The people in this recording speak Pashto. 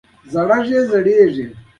ایا ستاسو دودونه به پالل کیږي؟